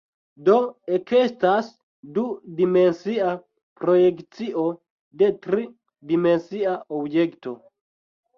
Do ekestas du-dimensia projekcio de tri-dimensia objekto.